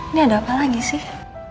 ini ada apa lagi sih